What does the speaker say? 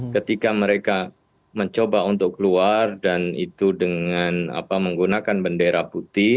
ketika mereka mencoba untuk keluar dan itu dengan menggunakan bendera putih